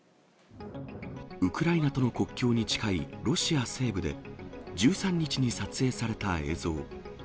ウクライナとの国境に近いロシア西部で、１３日に撮影された映像。